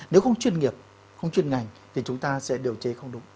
nếu không chuyên nghiệp không chuyên ngành thì chúng ta sẽ điều chế không đúng